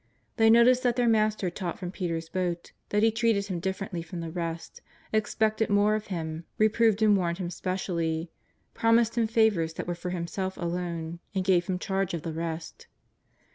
They noticed that their Master taught from Peter's boat, that He treated him differently from the rest, expected more of him, reproved and warned him specially, promised him favours that were for himself alone, and gave him charge of the rest.